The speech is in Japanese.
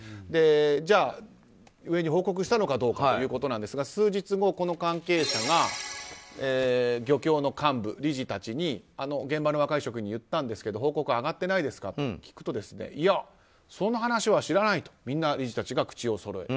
じゃあ上に報告したのかどうかということなんですが数日後、この関係者が漁協の幹部や理事たちに現場の若い職員に言ったんですけど報告上がってないですかと聞くといや、そんな話は知らないとみんな、理事たちが口をそろえた。